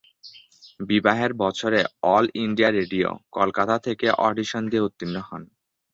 বিবাহের বছরে all India radio, Kolkata থেকে অডিশন দিয়ে উত্তীর্ণ হন।